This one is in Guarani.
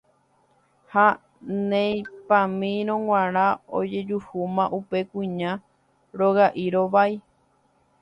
ha neipamírõ g̃uarã ojejuhúma upe kuña roga'i rovái